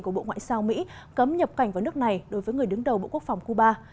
của bộ ngoại giao mỹ cấm nhập cảnh vào nước này đối với người đứng đầu bộ quốc phòng cuba